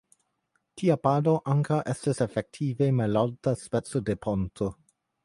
Tia pado ankaŭ estas efektive malalta speco de ponto.